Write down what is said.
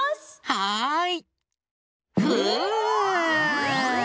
はい！